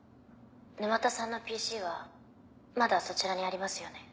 沼田さんのＰＣはまだそちらにありますよね？